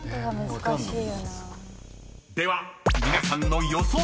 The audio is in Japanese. ［では皆さんの予想